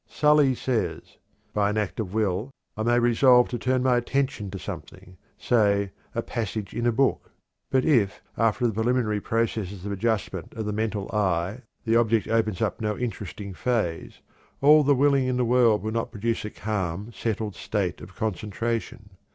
Sully says: "By an act of will I may resolve to turn my attention to something say a passage in a book. But if, after the preliminary process of adjustment of the mental eye the object opens up no interesting phase, all the willing in the world will not produce a calm, settled state of concentration.